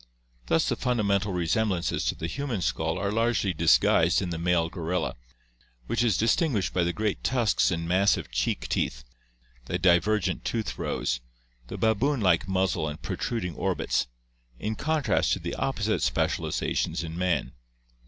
... Thus the funda mental resemblances to the human skull are largely disguised in the male gorilla, which is distinguished by the great tusks and massive cheek teeth, the divergent tooth rows, the baboon like muzzle and protruding orbits, in contrast with the opposite speciali zations in man.